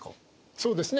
そうですね。